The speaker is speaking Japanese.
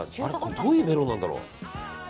どういうメロンなんだろう。